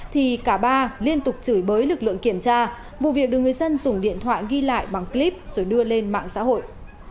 thì cả ba liên tục chửi bới lực lượng kiểm tra vụ việc được người dân dùng điện thoại ghi lại bằng clip rồi đưa lên mạng xã hội